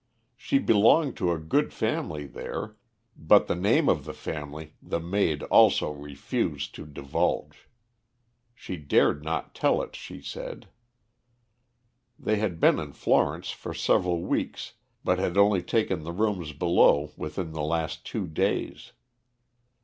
She belonged to a good family there, but the name of the family the maid also refused to divulge. She dared not tell it, she said. They had been in Florence for several weeks, but had only taken the rooms below within the last two days.